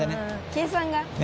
計算が。